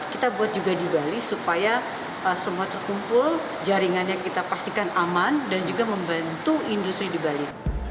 kita buat juga di bali supaya semua terkumpul jaringannya kita pastikan aman dan juga membantu industri di bali